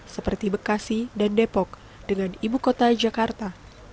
seperti bekasi dan depok dengan ibu kota jakarta